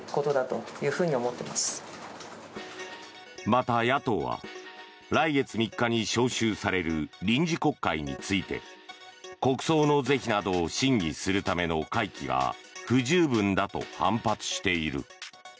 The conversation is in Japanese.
また、野党は来月３日に召集される臨時国会について国葬の是非などを審議するための会期が不十分だと反発している。